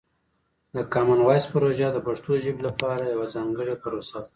د کامن وایس پروژه د پښتو ژبې لپاره یوه ځانګړې پروسه ده.